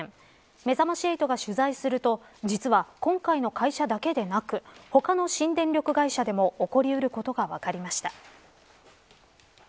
めざまし８が取材すると実は今回の会社だけでなく他の新電力会社でも起こり得ることが分かりました。